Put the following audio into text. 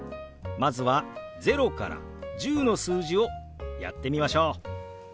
まずは０から１０の数字をやってみましょう。